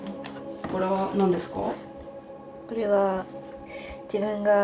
これは何ですか？